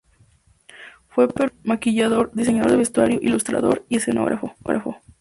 Fue performer, maquillador, diseñador de vestuario, ilustrador y escenógrafo.